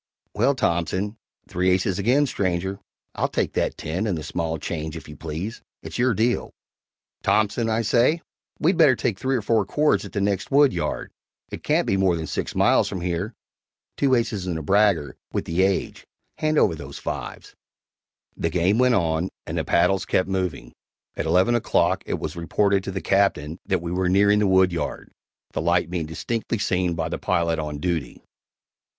"Well Thompson (Three aces again, stranger I'll take that X and the small change, if you please. It's your deal) Thompson, I say, we'd better take three or four cords at the next woodyard it can't be more than six miles from here (Two aces and a bragger, with the age! Hand over those V's)." The game went on, and the paddles kept moving. At eleven o'clock it was reported to the Captain that we were nearing the woodyard, the light being distinctly seen by the pilot on duty.